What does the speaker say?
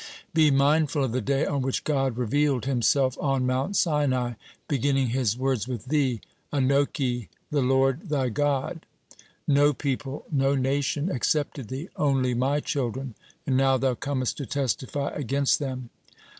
Be mindful of the day on which God revealed Himself on Mount Sinai, beginning His words with thee: 'Anoki the Lord thy God.' No people, no nation accepted thee, only my children, and now thou comest to testify against them!"